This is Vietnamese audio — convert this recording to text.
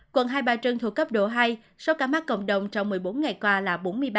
quận hai bà trưng thuộc cấp độ hai số ca mắc cộng đồng trong một mươi bốn ngày qua là bốn mươi ba